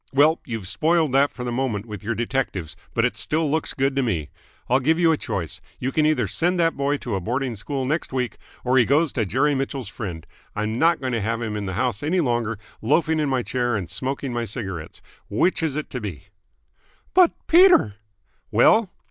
Well, you've spoiled that for the moment with your detectives, but it still looks good to me. I'll give you a choice. You can either send that boy to a boarding school next week, or he goes to Jerry Mitchell's friend. I'm not going to have him in the house any longer, loafing in my chair and smoking my cigarettes. Which is it to be?" "But, Peter!"